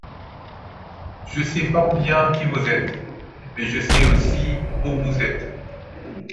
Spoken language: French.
Je sais fort bien qui vous êtes, mais je sais aussi où vous êtes.